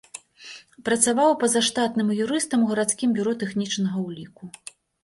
Працаваў пазаштатным юрыстам у гарадскім бюро тэхнічнага ўліку.